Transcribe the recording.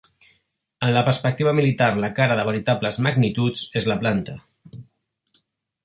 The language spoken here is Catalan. En la perspectiva militar la cara de veritables magnituds és la planta.